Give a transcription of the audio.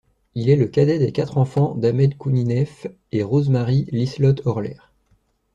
Il est le cadet des quatre enfants d'Ahmed Kouninef et Rose Marie Lislote Horler.